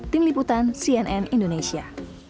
tim liputan cnn indonesia